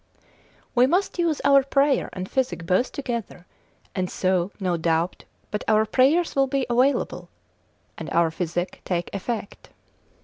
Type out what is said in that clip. We must use our prayer and physic both together: and so no doubt but our prayers will be available, and our physic take effect.